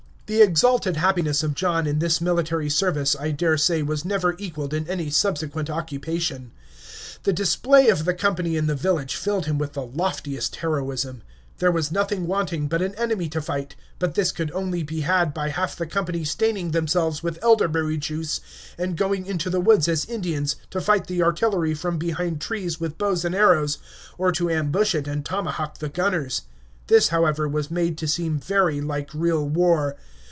The exalted happiness of John in this military service I daresay was never equaled in any subsequent occupation. The display of the company in the village filled him with the loftiest heroism. There was nothing wanting but an enemy to fight, but this could only be had by half the company staining themselves with elderberry juice and going into the woods as Indians, to fight the artillery from behind trees with bows and arrows, or to ambush it and tomahawk the gunners. This, however, was made to seem very like real war.